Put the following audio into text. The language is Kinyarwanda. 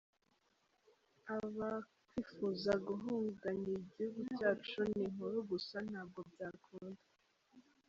Abakwifuza guhunganya igihugu cyacu, ni inkuru gusa, ntabwo byakunda.